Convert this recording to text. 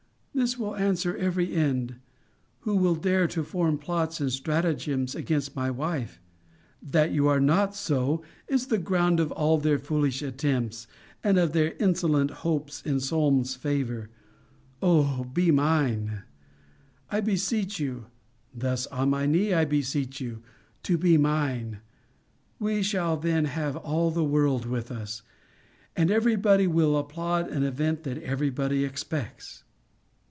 This will answer every end. Who will dare to form plots and stratagems against my wife? That you are not so is the ground of all their foolish attempts, and of their insolent hopes in Solmes's favour. O be mine! I beseech you (thus on my knee I beseech you) to be mine. We shall then have all the world with us. And every body will applaud an event that every body expects.